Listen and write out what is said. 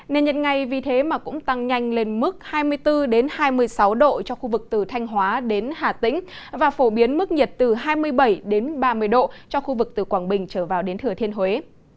nên nhiệt ngày vì thế mà cũng tăng nhanh lên mức hai mươi bốn hai mươi sáu độ cho khu vực từ thanh hóa đến hà tĩnh và phổ biến mức nhiệt từ hai mươi bảy đến ba mươi độ cho khu vực từ quảng bình trở vào đến thừa thiên huế